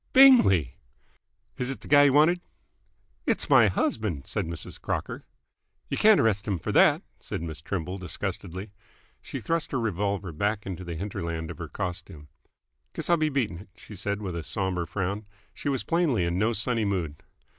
"Bingley!" "Is 't th' guy y' wanted?" "It's my husband!" said Mrs. Crocker. "Y' can't arrest 'm f'r that!" said Miss Trimble disgustedly. She thrust her revolver back into the hinterland of her costume. "Guess I'll be beatin' it," she said with a sombre frown. She was plainly in no sunny mood.